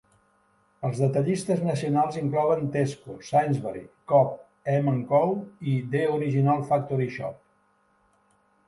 Els detallistes nacionals inclouen Tesco, Sainsbury, Co-op, M and Co i The Original Factory Shop.